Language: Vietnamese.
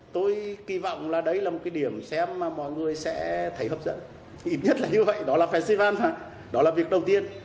thấy hấp dẫn ít nhất là như vậy đó là festival mà đó là việc đầu tiên